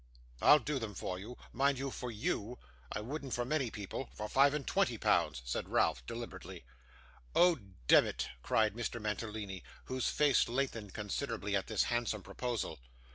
'I'll do them for you mind, for YOU; I wouldn't for many people for five and twenty pounds,' said Ralph, deliberately. 'Oh demmit!' cried Mr. Mantalini, whose face lengthened considerably at this handsome proposal.